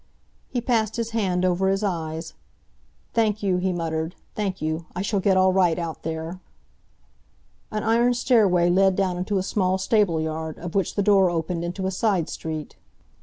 He passed his hand over his eyes. "Thank you," he muttered, "thank you. I shall get all right out there." An iron stairway led down into a small stable yard, of which the door opened into a side street. Mr.